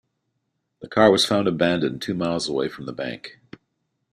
The car was found abandoned two miles away from the bank.